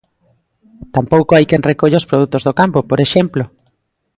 Tampouco hai quen recolla os produtos do campo, por exemplo.